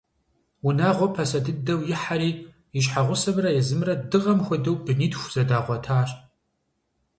Унагъуэ пасэ дыдэу ихьэри, и щхьэгъусэмрэ езымрэ дыгъэм хуэдэу бынитху зэдагъуэтащ.